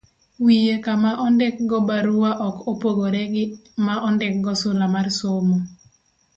Wiye kama ondikgo barua ok opogore gi ma ondikgo sula mar somo.